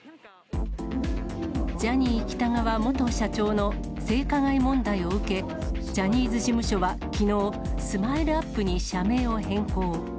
ジャニー喜多川元社長の性加害問題を受け、ジャニーズ事務所はきのう、スマイルアップに社名を変更。